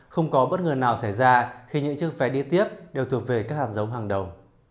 không có bất ngờ nào xảy ra khi những chiếc vé đi tiếp đều thuộc về các hạt giống hàng đầu